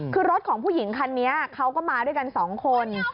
คือรถของผู้หญิงคันนี้เขาก็มาด้วยกัน๒คน